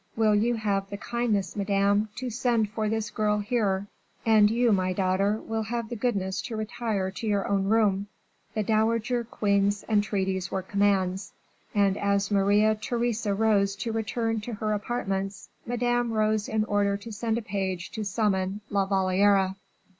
Will you have the kindness, Madame, to send for this girl here; and you, my daughter, will have the goodness to retire to your own room." The dowager queen's entreaties were commands, and as Maria Theresa rose to return to her apartments, Madame rose in order to send a page to summon La Valliere.